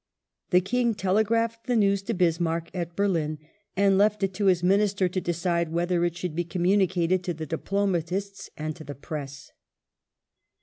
The King telegraphed the news to Bismarck at Berlin and left it to his Minister to decide whether it should be communicated to the diplomatists and to the Press.